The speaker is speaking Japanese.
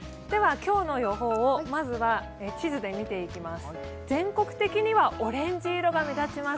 今日の予報を、まずは地図で見ていきます。